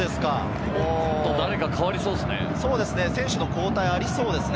誰か代わりそうですね。